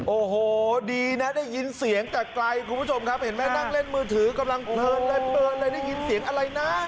โอ้โหดีนะได้ยินเสียงแต่ไกลคุณผู้ชมครับเห็นไหมนั่งเล่นมือถือกำลังเพลินเลยได้ยินเสียงอะไรนะ